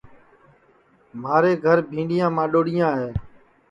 مھارے گھر بھِینڈؔیاں ماڈؔوڑیاں ہے